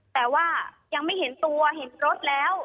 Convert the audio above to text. แต่ว่ายังไม่เห็นตัวเห็นรถแล้ว